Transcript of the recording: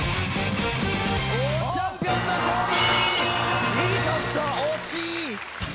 チャンピオンの勝利。